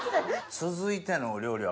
続いてのお料理は？